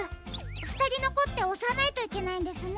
ふたりのこっておさないといけないんですね。